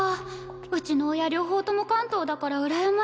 うちの親両方とも関東だからうらやましい。